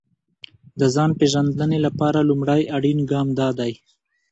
د ځان پېژندنې لپاره لومړی اړين ګام دا دی.